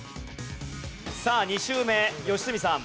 さあ２周目良純さん。